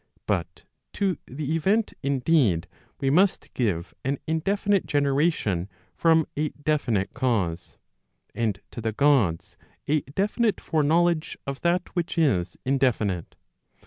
but to the event indeed we must give an indefi¬ nite generation from a definite cause, and to the Gods a definite foreknowledge of that which is indefinite.